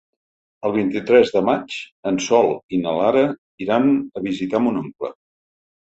El vint-i-tres de maig en Sol i na Lara iran a visitar mon oncle.